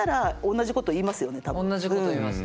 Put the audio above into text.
同じこと言います。